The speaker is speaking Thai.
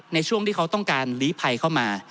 ในช่วงที่เขาต้องการลีภัยเข้ามา